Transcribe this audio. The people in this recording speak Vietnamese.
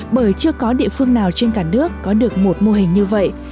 bởi chưa có địa phương nào trên cả nước có được một mô hình như vậy